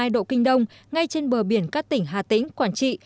một trăm linh bảy hai độ kinh đông ngay trên bờ biển các tỉnh hà tĩnh quảng trị